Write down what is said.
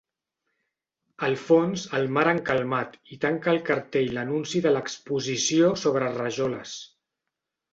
Al fons, el mar encalmat, i tanca el cartell l'anunci de l'Exposició sobre rajoles.